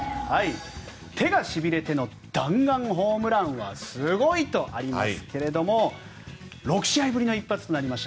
手がしびれての弾丸ホームランはすごいとありますけど６試合ぶりの一発となりました